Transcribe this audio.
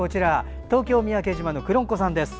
東京・三宅島のくろんこさんです。